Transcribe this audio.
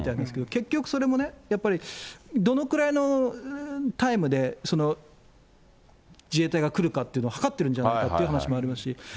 結局、それもね、やっぱり、どのくらいのタイムで自衛隊が来るかっていうのを計ってるんじゃないのかという話もありますし。